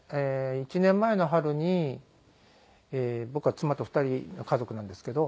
１年前の春に僕は妻と２人の家族なんですけど。